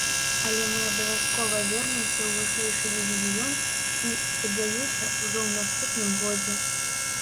Але мы абавязкова вернемся ў вышэйшы дывізіён, і, спадзяюся, ужо ў наступным годзе.